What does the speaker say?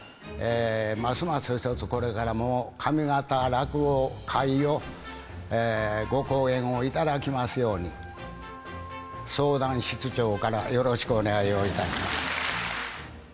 ますますひとつこれからも上方落語界をご後援を頂きますように相談室長からよろしくお願いをいたします。